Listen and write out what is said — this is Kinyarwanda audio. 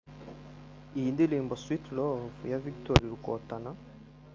Iyi ndirimbo ‘Sweet Love’ ya Victor Rukotana